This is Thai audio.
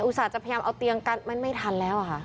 ส่าห์จะพยายามเอาเตียงกันมันไม่ทันแล้วค่ะ